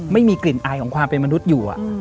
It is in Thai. ไม่มีกลิ่นอายของความเป็นมนุษย์อยู่